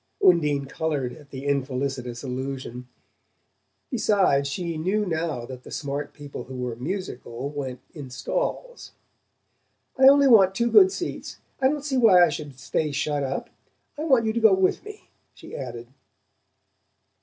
Undine coloured at the infelicitous allusion: besides, she knew now that the smart people who were "musical" went in stalls. "I only want two good seats. I don't see why I should stay shut up. I want you to go with me," she added.